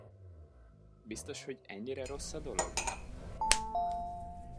Biztos, hogy ennyire rossz a dolog?